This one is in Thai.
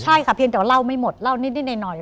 ใช่ค่ะเพียงแต่ว่าเล่าไม่หมดเล่านิดหน่อย